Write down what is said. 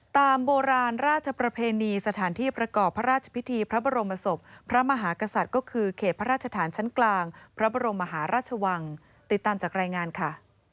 ตามโบราณราชประเพณีสถานที่ประกอบพระราชพิธีพระบรมศพพระมหากษัตริย์ก็คือเขตพระราชฐานชั้นกลางพระบรมมหาราชวังติดตามจากรายงานค่ะ